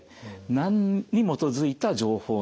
何に基づいた情報なのか。